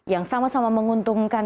yang sama sama menguntungkan